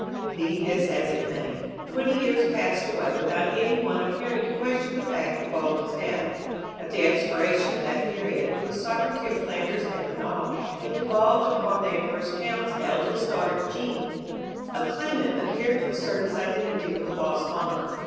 Be this as it may, twenty years passed away without any one appearing to question the fact of Baldwin's death. At the expiration of that period, when the sovereignty of Flanders and Hainault had devolved upon the Emperor Count's eldest daughter Jean, a claimant appeared to assert his identity with the lost monarch.